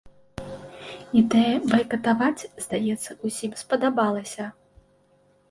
Ідэя байкатаваць, здаецца, усім спадабалася.